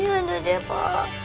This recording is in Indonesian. iya ada deh pak